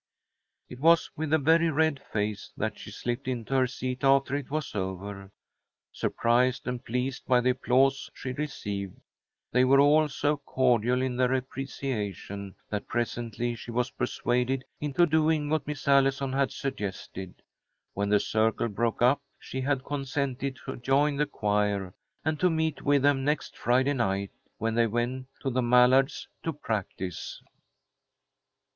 It was with a very red face that she slipped into her seat after it was over, surprised and pleased by the applause she received. They were all so cordial in their appreciation, that presently she was persuaded into doing what Miss Allison had suggested. When the circle broke up she had consented to join the choir, and to meet with them the next Friday night, when they went to the Mallards' to practise.